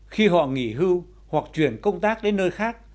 khi họ nghỉ hưu hoặc chuyển công tác đến nơi khác